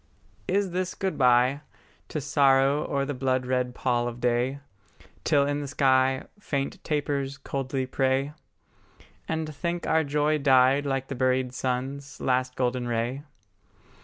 Is this good bye, To sorrow o'er the blood red pall of day, Till in the sky Faint tapers coldly pray; And think our joy died like the buried sun's Last golden ray?